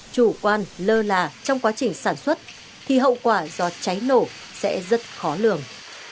chủ quan lơ là trong quá trình sản xuất thì hậu quả do cháy nổ sẽ rất khó lường